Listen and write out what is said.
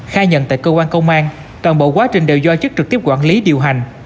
khai nhận tại cơ quan công an toàn bộ quá trình đều do chức trực tiếp quản lý điều hành